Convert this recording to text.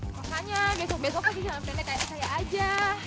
makanya besok besok pasti jalan pelenet kayak saya aja